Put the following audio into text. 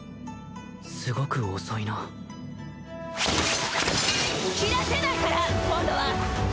すごく遅いな斬らせないから！今度は。